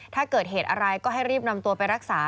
ถ้าเกิดเหตุอะไรก็ให้รีบนำตัวไปรักษา